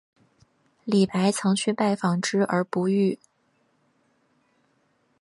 李白曾去拜访之而不遇。